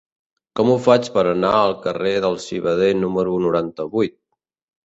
Com ho faig per anar al carrer del Civader número noranta-vuit?